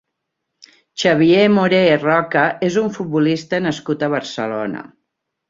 Xavier Moré Roca és un futbolista nascut a Barcelona.